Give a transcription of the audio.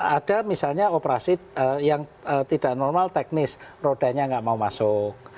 ada misalnya operasi yang tidak normal teknis rodanya nggak mau masuk